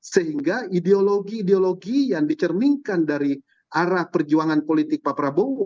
sehingga ideologi ideologi yang dicerminkan dari arah perjuangan politik pak prabowo